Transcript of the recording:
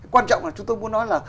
quan trọng là chúng tôi muốn nói là